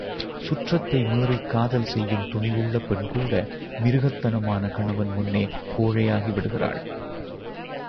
சுற்றத்தை மீறிக் காதல் செய்யும் துணிவுள்ள பெண்கூட மிருகத்தனமான கணவன் முன்னே கோழையாகி விடுகிறாள்.